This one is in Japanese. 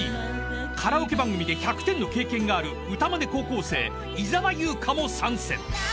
［カラオケ番組で１００点の経験がある歌まね高校生伊沢有香も参戦］